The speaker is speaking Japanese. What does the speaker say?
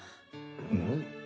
うん？